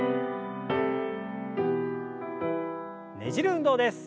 ねじる運動です。